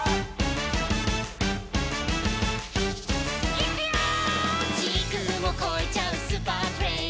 「いくよー！」